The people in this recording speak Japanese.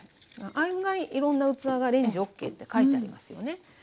案外いろんな器がレンジＯＫって書いてありますよね。